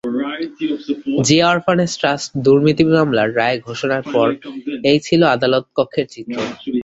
Zia orphanage trust দুর্নীতি মামলার রায় ঘোষণার পর এই ছিল আদালতকক্ষের চিত্র।